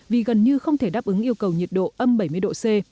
vì gần như không thể đáp ứng yêu cầu nhiệt độ âm bảy mươi độ c